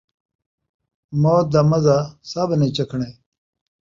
موت دا مزا سب نیں چکھݨے